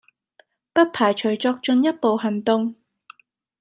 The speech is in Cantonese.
不排除作進一步行動